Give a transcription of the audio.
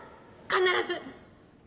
必ず！